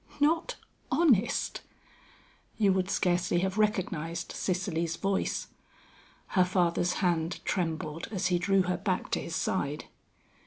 "Not honest?" You would scarcely have recognized Cicely's voice. Her father's hand trembled as he drew her back to his side.